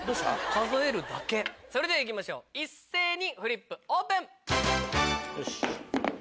それでは行きましょう一斉にフリップオープン！